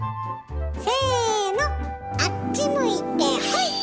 せのあっち向いてホイ！